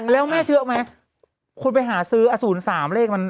แล้วแม่เชื่อไหมคุณไปหาซื้ออาศูนย์สามเลขมัน